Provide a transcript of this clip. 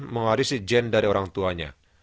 mengwarisi jen dari orang tuanya